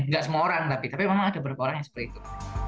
nggak semua orang tapi memang ada beberapa orang yang seperti itu